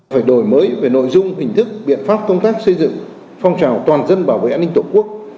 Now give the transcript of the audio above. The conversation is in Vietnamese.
phải đổi mới về nội dung hình thức biện pháp công tác xây dựng phong trào toàn dân bảo vệ an ninh tổ quốc